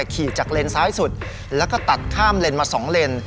ขี่จากเลนซ้ายสุดแล้วก็ตัดข้ามเลนมา๒เลน